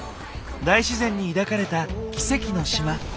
大自然に抱かれた奇跡の島。